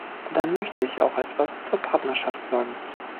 Dann möchte ich auch etwas zur Partnerschaft sagen.